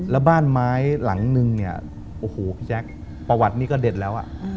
แล้วบ้านไม้หลังนึงเนี่ยโอ้โหพี่แจ๊คประวัตินี้ก็เด็ดแล้ว